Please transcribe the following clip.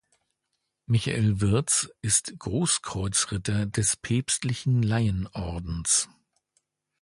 Michael Wirtz ist Großkreuzritter des Päpstlichen Laienordens.